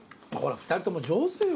２人とも上手よ